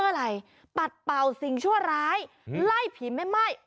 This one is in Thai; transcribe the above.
เพราะอะไรปัดเป่าสิ่งชั่วร้ายไล่ผีไม่ม่ายออกไป